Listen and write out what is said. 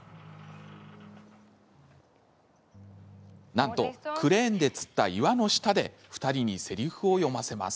なんとクレーンでつった岩の下で２人にせりふを読ませます。